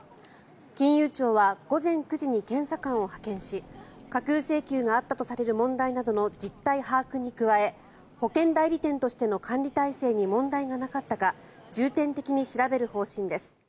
金融庁は午前９時に検査官を派遣し架空請求があったとされる問題などの実態把握に加え保険代理店としての管理体制に問題がなかったか重点的に調べる方針です。